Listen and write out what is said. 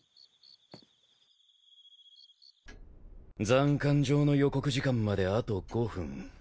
斬奸状の予告時間まであと５分。